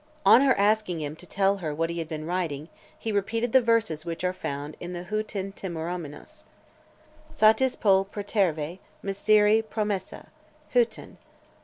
On her asking him to tell her what he had been writing, he repeated the verses which are found in the Heautontimoroumenos: Satis pol proterve me Syri promessa Heauton.